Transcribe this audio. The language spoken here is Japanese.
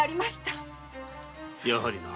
やはりな。